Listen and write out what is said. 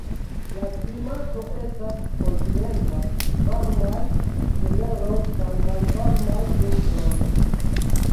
La klimato estas kontinenta: varmaj someroj kaj malvarmaj vintroj.